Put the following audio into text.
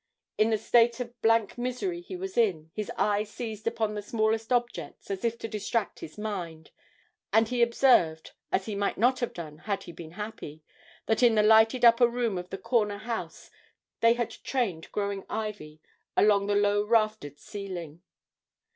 In the state of blank misery he was in his eye seized upon the smallest objects as if to distract his mind, and he observed as he might not have done had he been happy that in the lighted upper room of the corner house they had trained growing ivy along the low raftered ceiling.